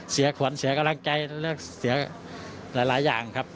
เสียขวัญเสียกำลังใจและเสียหลายอย่างครับ